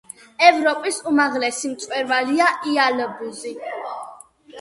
ევროპის უმაღლესი მწვერვალია იალბუზი.